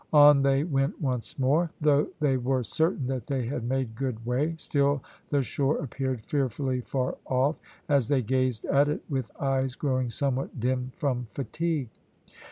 On they went once more. Though they were certain that they had made good way, still the shore appeared fearfully far off, as they gazed at it with eyes growing somewhat dim from fatigue.